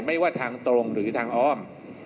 ไม่ว่าทางตรงหรือทางอ้อม